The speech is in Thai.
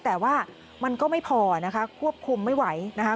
แต่ว่ามันก็ไม่พอนะคะควบคุมไม่ไหวนะคะ